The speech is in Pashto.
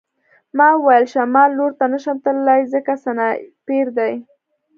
ما وویل شمال لور ته نشم تللی ځکه سنایپر دی